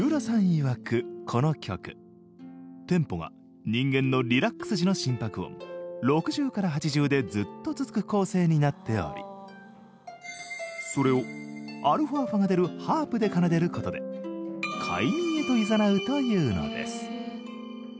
いわくこの曲テンポが人間のリラックス時の心拍音６０から８０でずっと続く構成になっておりそれをα波が出るハープで奏でることで快眠へといざなうというのです